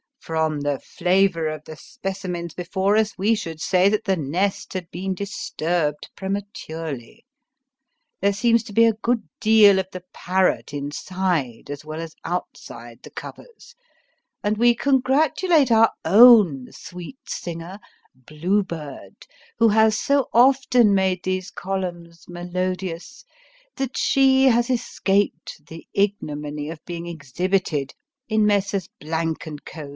From the flavour of the specimens before us we should say that the nest had been disturbed prematurely. There BRET HARTE 265 seems to be a good deal of the parrot inside as well as outside the covers, and we congratulate our own sweet singer " Blue Bird, who has so often made these columns melodious, that she has escaped the ignominy of being exhibited in Messrs. & Co.